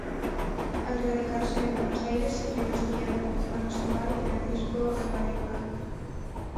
Al radicarse en Buenos Aires siguió estudiando con Juan Escobar y Francisco Alvarenga.